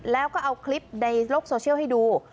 แล้วก็เอาคลิปในโลกโซเชียลให้ดู